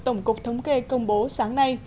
tổng cục thống kê công bố sáng nay